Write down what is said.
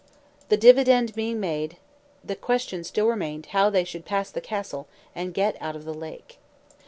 The dividend being made, the question still remained how they should pass the castle, and get out of the lake.